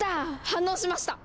反応しました！